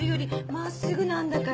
まっすぐなんだから。